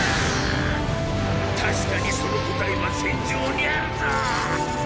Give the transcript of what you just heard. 確かにその答えは戦場にあるぞォ！